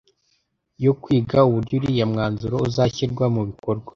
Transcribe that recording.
yo kwiga uburyo uriya mwanzuro uzashyirwa mu bikorwa